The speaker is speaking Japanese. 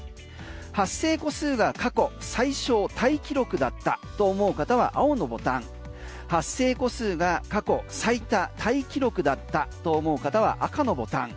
発生個数が過去最少タイ記録だったと思う方は青のボタン発生個数が過去最多タイ記録だったと思う方は赤のボタン。